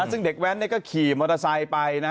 ซึ่งเด็กแว้นก็ขี่มอเตอร์ไซค์ไปนะ